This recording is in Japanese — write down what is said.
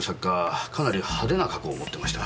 かなり派手な過去を持ってました。